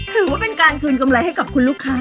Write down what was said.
ถือว่าเป็นการคืนกำไรให้กับคุณลูกค้า